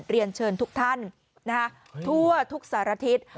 เรียนเชิญทุกท่านทั่วทุกสารทิศ